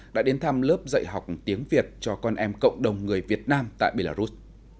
đã đến thăm lớp dạy học tiếng việt cho con em cộng đồng người việt nam tại belarus